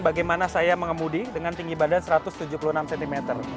bagaimana saya mengemudi dengan tinggi badan satu ratus tujuh puluh enam cm